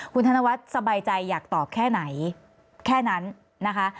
คุณธนวัฒน์สบายใจอยากตอบแค่ไหนแค่นั้นนะคะ